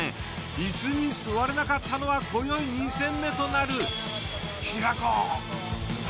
イスに座れなかったのは今宵２戦目となる平子。